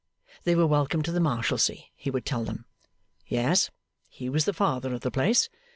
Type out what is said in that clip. They were welcome to the Marshalsea, he would tell them. Yes, he was the Father of the place.